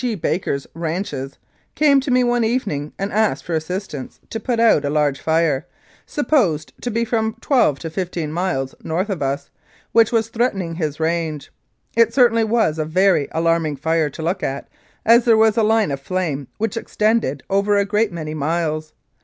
G. Baker's ranches, came to me one evening and asked for assistance to put out a large fire, supposed to be from twelve to fifteen miles north of us, which was threaten ing his range. It certainly was a very alarming fire to look at, as there was a line of flame which extended over a great many miles.